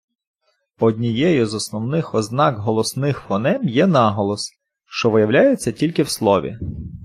Однією з основних ознак голосних фонем є наголос, шо виявляється тільки в слові.